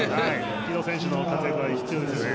城戸選手の活躍が必要ですね。